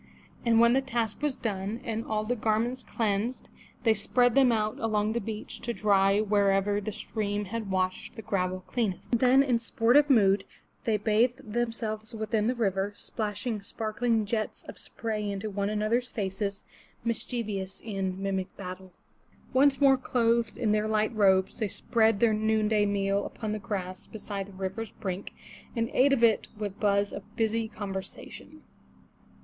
And when the task was done, and all the garments cleansed, they spread them out along the beach to dry wherever the stream had washed the gravel cleanest. Then in sportive mood, they bathed themselves within the river, splashing sparkling jets of spray into one another's faces, mischievous in mimic battle. Once more clothed in their light robes, they spread their noonday meal upon the grass beside the river's brink, and ate of it with buzz of busy conversation.